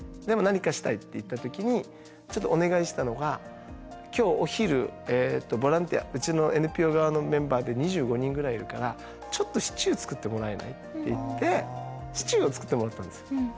でも何かしたいっていった時にちょっとお願いしたのが今日お昼ボランティアうちのＮＰＯ側のメンバーで２５人ぐらいいるからちょっとシチュー作ってもらえない？って言ってシチューを作ってもらったんですよ。